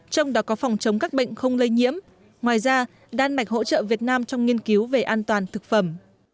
trong đó có phòng chống các bệnh không lây nhiễm ngoài ra đan mạch hỗ trợ việt nam trong nghiên cứu về an toàn thực phẩm